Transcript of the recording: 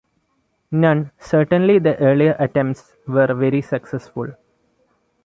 None, certainly the earlier attempts, were very successful.